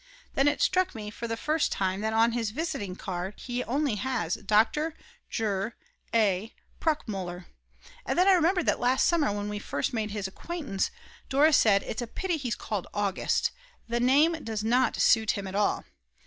Then it struck me for the first time that on his visiting card he only has Dr. jur. A. Pruckmuller, and then I remembered that last summer, when we first made his acquaintance, Dora said, It's a pity he's called August, the name does not suit him at all.